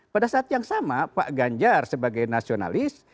pada saat yang sama pak ganjar sebagai nasionalis